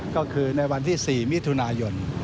ก็คือในวันที่๔มิถุนายน